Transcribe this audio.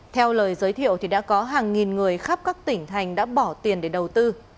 theo lời giới thiệu thì đã có hàng nghìn người khắp các tỉnh thành đã bỏ tiền để đầu tư